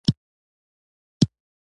شبکه دونه پراخه شوې ده.